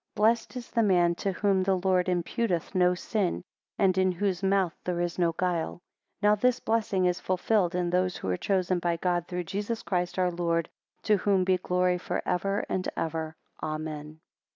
Blessed is the man to whom the Lord imputeth no sin, and in whose mouth there is no guile. 15 Now this blessing is fulfilled in those who are chosen by God through Jesus Christ our Lord, to whom be glory for ever and ever, Amen.